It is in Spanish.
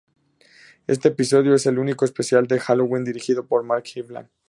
Este episodio es el único Especial de Halloween dirigido por Mark Kirkland.